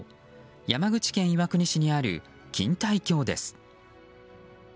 山口県岩国市にある錦帯橋です。